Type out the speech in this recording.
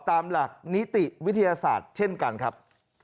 ตามหลักนิติวิทยาศาสตร์เช่นกันครับ